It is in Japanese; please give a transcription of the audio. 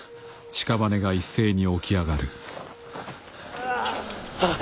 ああっ！